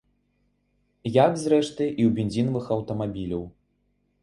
Як, зрэшты, і ў бензінавых аўтамабіляў.